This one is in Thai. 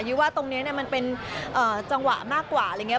ว่าตรงนี้มันเป็นจังหวะมากกว่าอะไรอย่างนี้